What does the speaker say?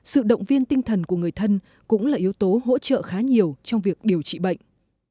sự động viên tinh thần của người thân cũng là yếu tố hỗ trợ khá nhiều trong việc điều trị bệnh